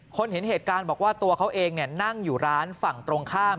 เห็นเหตุการณ์บอกว่าตัวเขาเองนั่งอยู่ร้านฝั่งตรงข้าม